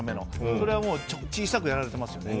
それは小さくやられてますよ。